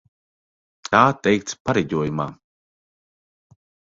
Tā teikts pareģojumā.